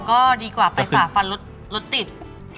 ก็ดีกว่าไปฝากฝาลดติด